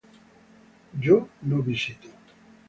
yo no visito